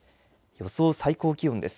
予想最高気温です。